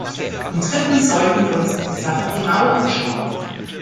Und drittens sollten wir uns die Sache genau anschauen.